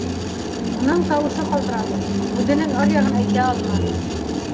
— Уның тауышы ҡалтыраны, һүҙенең аръяғын әйтә алманы.